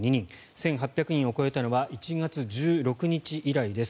１８００人を超えたのは１月１６日以来です。